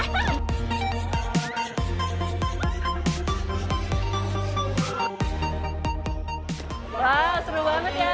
wow seru banget ya